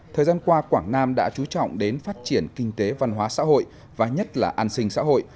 thời gian qua quảng nam đã trú trọng đến phát triển kinh tế văn hóa xã hội và nhất là an sinh xã hội